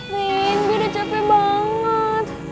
rin gue udah capek banget